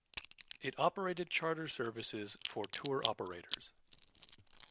It operated charter services for tour operators.